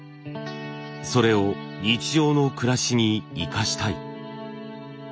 それを日常の暮らしに生かしたい。